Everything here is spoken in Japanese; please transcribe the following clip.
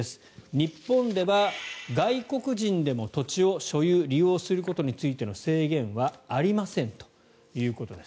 日本では外国人でも土地を所有・利用することについての制限はありませんということです。